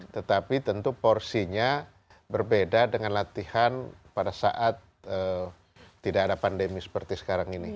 tetapi tentu porsinya berbeda dengan latihan pada saat tidak ada pandemi seperti sekarang ini